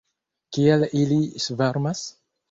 Kiel ili svarmas!